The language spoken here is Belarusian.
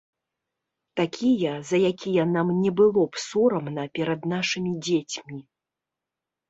Такія, за якія нам не было б сорамна перад нашымі дзецьмі.